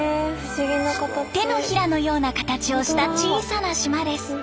手のひらのような形をした小さな島です。